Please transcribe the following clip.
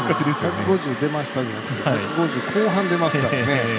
１５０出ましたじゃなくて１５０後半出ますからね。